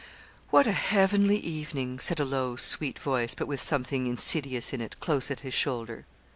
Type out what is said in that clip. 'What a heavenly evening!' said a low, sweet voice, but with something insidious in it, close at his shoulder.